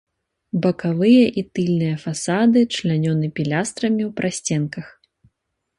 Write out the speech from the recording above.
Бакавыя і тыльныя фасады члянёны пілястрамі ў прасценках.